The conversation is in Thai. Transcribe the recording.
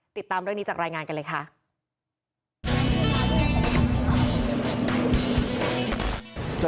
ติดตามเรื่องนี้จากรายงานกันเลยค่ะ